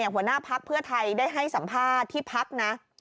หัวหน้าพักเพื่อไทยได้ให้สัมภาษณ์ที่พักนะ